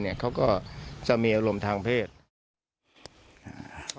ทีมข่าวเราก็พยายามสอบปากคำในแหบนะครับ